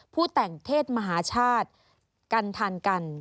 แต่งเทศมหาชาติกันทานกัน